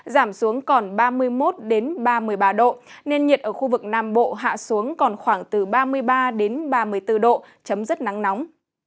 giảm xuống còn ba mươi một ba mươi ba độ nên nhiệt ở khu vực nam bộ hạ xuống còn khoảng từ ba mươi ba đến ba mươi bốn độ chấm dứt nắng nóng